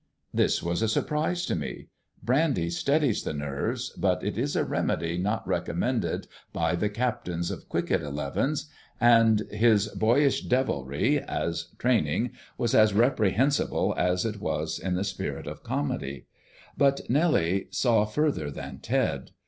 This was a surprise to me. Brandy steadies the nerves, but it is a remedy not recommended by the captains of cricket elevens, and his boyish devilry, as training, was as reprehensible as it was in the spirit of the comedy. But Nellie saw further than Ted.